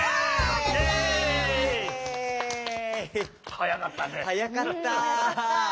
はやかった。